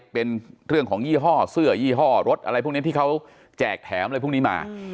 เป็นเรื่องของยี่ห้อเสื้อยี่ห้อรถอะไรพวกนี้ที่เขาแจกแถมอะไรพวกนี้มา